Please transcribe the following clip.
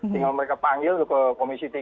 tinggal mereka panggil ke komisi tiga